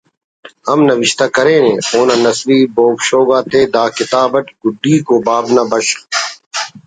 ہم نوشتہ کرینے اونا نثری بوگ شوگ آتے دا کتاب اٹ گڈیکو باب نا بشخ